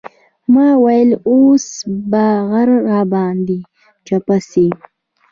ما ويل اوس به غر راباندې چپه سي.